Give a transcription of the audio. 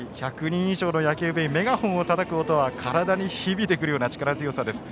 １００人以上のお客でメガホンをたたく音は体に響いてくるような力強さです。